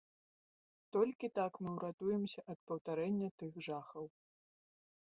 Толькі так мы ўратуемся ад паўтарэння тых жахаў.